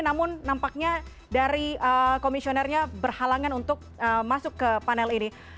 namun nampaknya dari komisionernya berhalangan untuk masuk ke panel ini